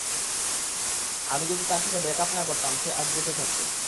আমি যদি তার সাথে ব্রেক-আপ না করতাম, সে আজ বেঁচে থাকত।